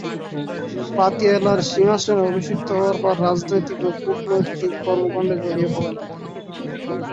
পাতিয়ালার সিংহাসনে অভিষিক্ত হবার পর রাজনৈতিক ও কূটনৈতিক কর্মকাণ্ডে জড়িয়ে পরেন।